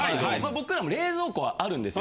僕らも冷蔵庫はあるんです。